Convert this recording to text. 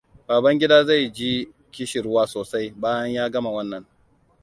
Babangida zai ji kishirwa sosai, bayan ya gama wannan.